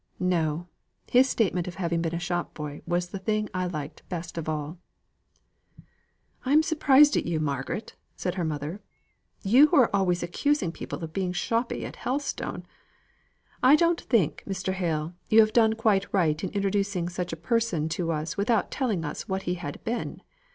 No! his statement of having been a shop boy was the thing I liked best of all." "I am surprised at you, Margaret," said her mother. "You who were always accusing people of being shoppy at Helstone! I don't think, Mr. Hale, you have done quite right in introducing such a person to us without telling us what he had been.